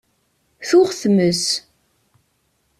Tuɣ tmes.